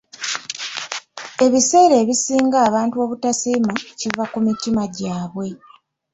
Ebiseera ebisinga abantu obutasiima kiva ku mitima gyabwe.